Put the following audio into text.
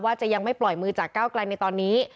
จะยังไม่ปล่อยมือจากก้าวไกลในตอนนี้